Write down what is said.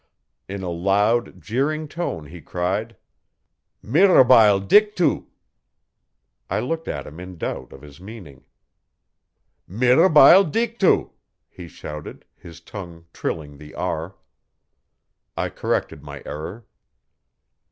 In a loud, jeering tone he cried: 'Mirabile dictu!' I looked at him in doubt of his meaning. 'Mirabile dictu!' he shouted, his tongue trilling the r. I corrected my error.